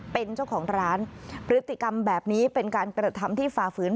เป็นเจ้าของร้านพฤติกรรมแบบนี้เป็นการกระทำที่ฝ่าฝืน